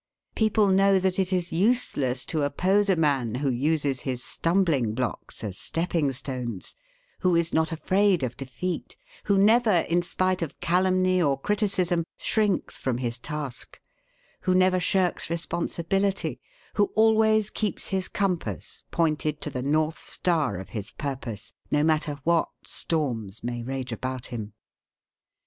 People know that it is useless to oppose a man who uses his stumbling blocks as stepping stones; who is not afraid of defeat; who never, in spite of calumny or criticism, shrinks from his task; who never shirks responsibility; who always keeps his compass pointed to the north star of his purpose, no matter what storms may rage about him.